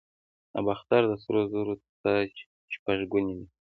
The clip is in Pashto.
د باختر د سرو زرو تاج شپږ ګونی دی